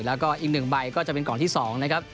แล้วก็อีก๑ใบก็จะเป็นกล่องที่๒นะครับ